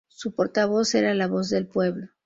Su portavoz era "La Voz del Pueblo".